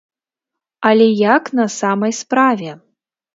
Але як на самай справе?